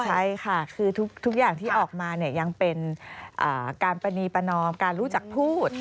ใช่ค่ะคือทุกอย่างที่ออกมาเนี่ยยังเป็นการปรณีประนอมการรู้จักพูด